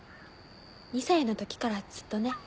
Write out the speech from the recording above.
２歳の時からずっとね。